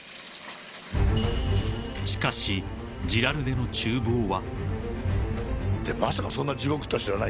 ［しかしジラルデの厨房は］